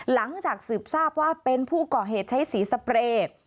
หลังจากสืบทราบว่าเป็นผู้ก่อเหตุใช้สีสเปรย์